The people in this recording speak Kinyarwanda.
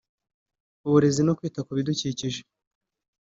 Uburezi no kwita ku bidukikije